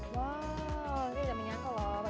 wow dia ada minyak lho pak mirsa